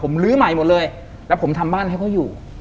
ผมลื้อใหม่หมดเลยแล้วผมทำบ้านให้เขาอยู่